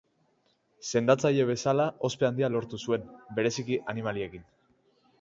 Sendatzaile bezala ospe handia lortu zuen, bereziki animaliekin.